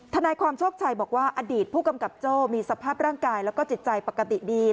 ทนายความโชคชัยบอกว่าอดีตผู้กำกับโจ้มีสภาพร่างกายแล้วก็จิตใจปกติดี